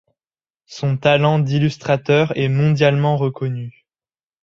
Son talent d'illustrateur est mondialement reconnu.